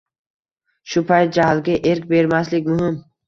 Shu payt jahlga erk bermaslik muhim.